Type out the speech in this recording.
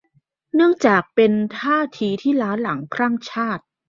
เนื่องจากเป็นท่าทีที่หล้าหลัง คลั่งชาติ